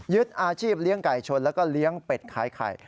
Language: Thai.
ยึดอาชีพเลี้ยงไก่ชนแล้วก็เลี้ยงเป็ดคล้าย